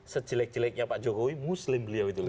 sejelek jeleknya pak jokowi muslim beliau itu